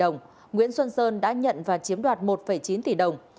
nguyễn xuân sơn đã nhận và chiếm đoạt một chín tỷ đồng